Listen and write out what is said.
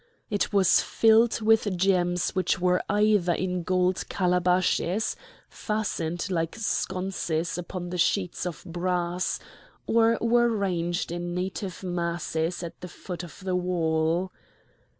It was filled with gems which were either in gold calabashes fastened like sconces upon sheets of brass, or were ranged in native masses at the foot of the wall.